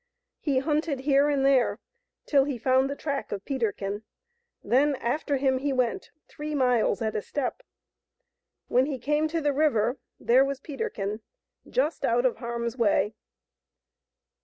He hunted here and there till he found the track of Peterkin, then after him he went, three miles at a step. When he came to the river, there was Peterkin, just out of harm's way.